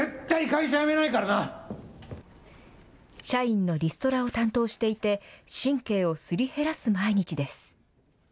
社員のリストラを担当していて神経をすり減らす毎日です。